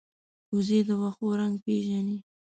وزې د واښو رنګ پېژني